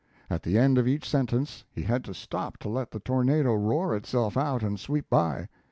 At the end of each sentence, he had to stop to let the tornado roar itself out and sweep by.